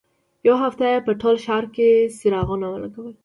یوه هفته یې په ټول ښار کې څراغونه ولګول.